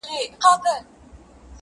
نه له ما سره غمی دی چا لیدلی,